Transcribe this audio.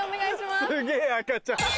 すげぇ赤ちゃん。